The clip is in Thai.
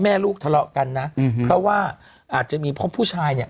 แม่ลูกทะเลาะกันนะเพราะว่าอาจจะมีเพราะผู้ชายเนี่ย